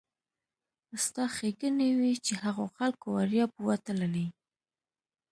ستا ښېګڼې وي چې هغو خلکو وړیا بوتللې.